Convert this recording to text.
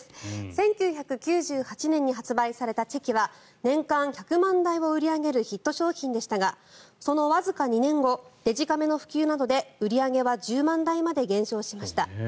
１９９８年に発売されたチェキは年間１００万台を売り上げるヒット商品でしたがそのわずか２年後デジカメの普及などで売り上げは１０万台まで減少しました。